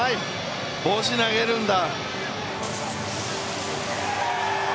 帽子投げるんだ。